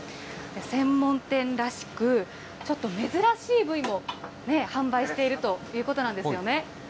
専門店らしく、ちょっと珍しい部位も販売しているということなんですよね。